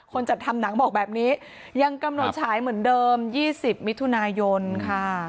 จัดทำหนังบอกแบบนี้ยังกำหนดฉายเหมือนเดิม๒๐มิถุนายนค่ะ